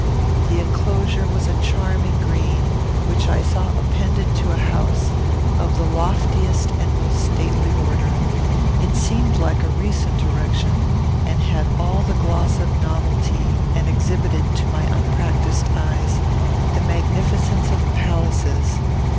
The enclosure was a charming green, which I saw appended to a house of the loftiest and most stately order. It seemed like a recent erection, had all the gloss of novelty, and exhibited, to my unpractised eyes, the magnificence of palaces.